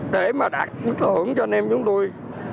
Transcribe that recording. để mà đạt mức thưởng cho anh em chúng tôi